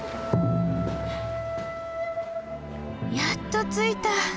やっと着いた！